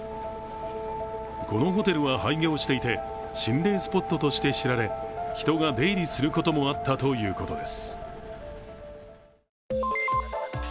このホテルは廃業していて、心霊スポットとして知られ人が出入りすることもあったということです。